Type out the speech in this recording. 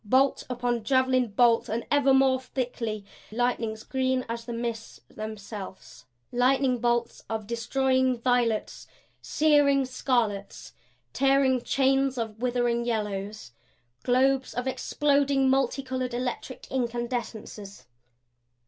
Bolt upon javelin bolt, and ever more thickly; lightnings green as the mists themselves; lightning bolts of destroying violets, searing scarlets; tearing chains of withering yellows, globes of exploding multicolored electric incandescences.